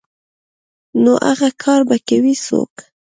نو اغه کار به کوي څوک.